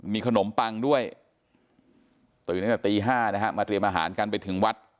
มีขนมปังด้วยตื่นตั้งแต่ตี๕นะฮะมาเตรียมอาหารกันไปถึงวัด